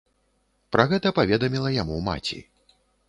Пра гэта паведаміла яму маці.